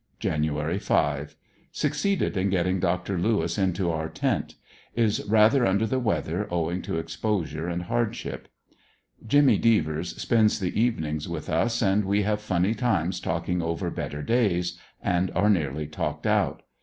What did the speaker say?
Jan. 5. — Succeeded in getting Dr. Lewis into our tent; is rather under the weather, owing to exposure and hardship, Jimmy Dev ers spends the evenings with us and we have funny times talking over better days — and are nearly talked out.